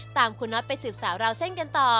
ตามคุณน็อตไปสืบสาวราวเส้นกันต่อ